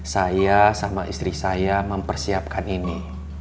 saya sama istri saya mempersiapkan ini